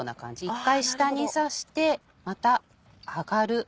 １回下に刺してまた上がる。